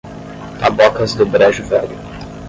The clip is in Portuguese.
Tabocas do Brejo Velho